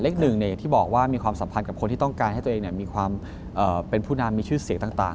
อย่างที่บอกว่ามีความสัมพันธ์กับคนที่ต้องการให้ตัวเองมีความเป็นผู้นำมีชื่อเสียงต่าง